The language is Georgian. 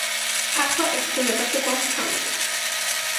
ახლა, ერთეულებში გვაქვს ცამეტი.